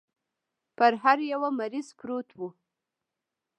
پر هر يوه مريض پروت و.